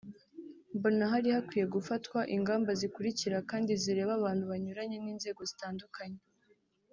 mbona hari hakwiye gufatwa ingamba zikurikira kandi zireba abantu banyuranye n’inzego zitandukanye